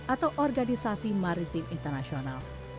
atau organisasi maritim internasional